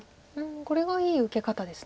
これはいい受け方です